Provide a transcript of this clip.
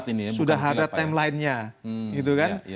jadi sudah ada timelinenya gitu kan